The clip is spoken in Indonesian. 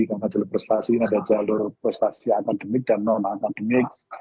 karena jalur prestasi ini ada jalur prestasi akademik dan non akademik